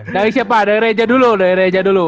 dari siapa dari reja dulu